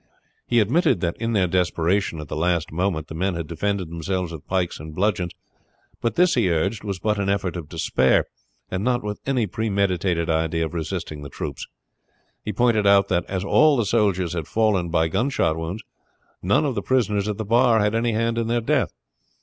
He admitted that in their desperation at the last moment the men had defended themselves with pikes and bludgeons; but this he urged was but an effort of despair, and not with any premeditated idea of resisting the troops. He pointed out that as all the soldiers had fallen by gunshot wounds, none of the prisoners at the bar had any hand in their death.